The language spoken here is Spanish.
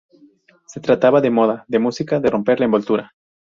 Se trataba de moda, de música, de romper la envoltura".